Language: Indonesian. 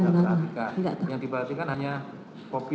yang diperhatikan hanya kopi